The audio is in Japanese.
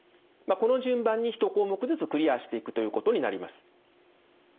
この順番に１項目ずつクリアしていくということになります。